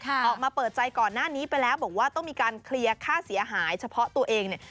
ออกมาเปิดใจก่อนหน้านี้ไปแล้วบอกว่าต้องมีการเคลียร์ค่าเสียหายเฉพาะตัวเองเนี่ย